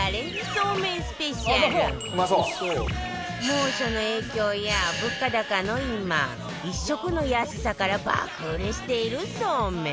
猛暑の影響や物価高の今１食の安さから爆売れしているそうめん